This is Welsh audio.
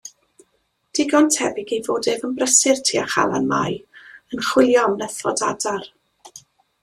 Digon tebyg ei fod ef yn brysur tua Chalanmai yn chwilio am nythod adar.